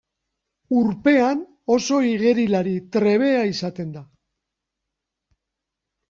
Urpean oso igerilari trebea izaten da.